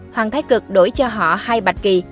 hoàng thái cực đổi cho họ hai bạch kỳ